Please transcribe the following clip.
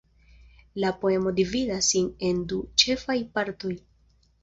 La poemo dividas sin en du ĉefaj partoj.